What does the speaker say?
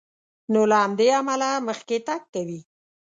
نو له همدې امله مخکې تګ کوي.